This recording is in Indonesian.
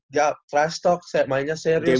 ga trash talk mainnya serius